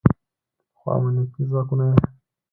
خو امنیتي ځواکونه یې